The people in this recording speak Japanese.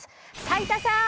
斉田さん！